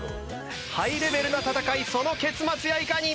ハイレベルな戦いその結末やいかに？